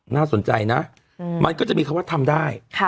น่าสนใจนะมันก็จะมีคำว่าทำได้